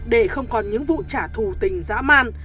để không còn những vụ trả thù tình dã man